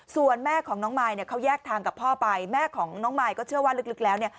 ส่วนแม่ของน้องมายเนี่ยเขาแยกทางกับพ่อไปแม่ของน้องมายก็เชื่อว่าลึกแล้วเนี่ย